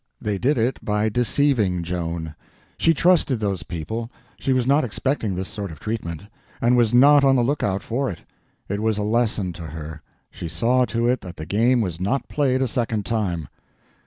They did it by deceiving Joan. She trusted those people, she was not expecting this sort of treatment, and was not on the lookout for it. It was a lesson to her; she saw to it that the game was not played a second time.